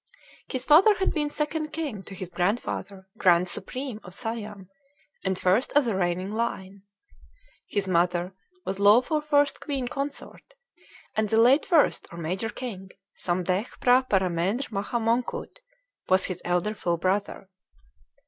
His father had been second king to his grandfather, "grand supreme" of Siam, and first of the reigning line. His mother was "lawful first queen consort"; and the late first or major king, Somdetch P'hra Paramendr Maha Mongkut, was his elder full brother.